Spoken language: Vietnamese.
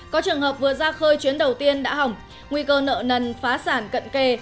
có trường hợp vừa ra khơi chuyến đầu tiên đã hỏng nguy cơ nợ nần phá sản cận kề